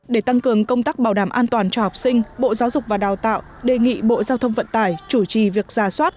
để tăng cường công tác bảo đảm an toàn cho học sinh bộ giáo dục và đào tạo đề nghị bộ giao thông vận tải chủ trì việc ra soát